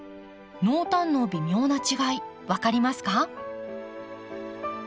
濃淡の微妙な違い分かりますか？